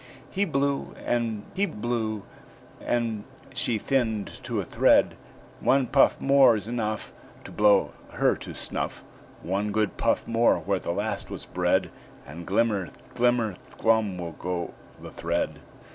He blew and he blew, and she thinned to a thread, "One puff More's enough To blow her to snuff! One good puff more where the last was bred, And glimmer, glimmer, glum will go the thread."